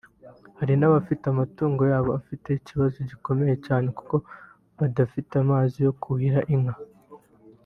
hari n’abafite amatungo yabo afite ikibazo gikomeye cyane kuko badafite amazi yo kuhira inka